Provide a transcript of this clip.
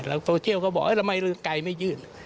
แล้วโตเชียลก็บอกเอ๊ะแล้วมายังไงไม่ยื่น